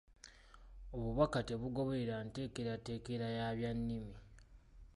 Obubaka tebugoberera nteekerateekera y’abyannimi.